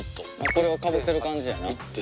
これをかぶせる感じやな。